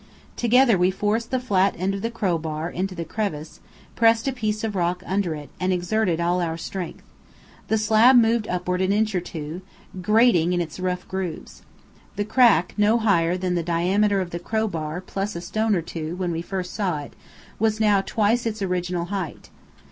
Together we forced the flat end of the crowbar into the crevice, pressed a piece of rock under it, and exerted all our strength. The slab moved upward an inch or two, grating in its rough grooves. The crack, no higher than the diameter of the crowbar plus a stone or two, when we saw it first, was now twice its original height.